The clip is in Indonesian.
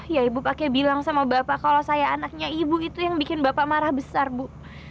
ya ibu pakai bilang sama bapak kalau saya anaknya ibu itu yang bikin bapak marah besar bu